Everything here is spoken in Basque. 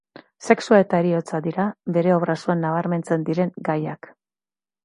Sexua eta heriotza dira bere obra osoan nabarmentzen diren gaiak.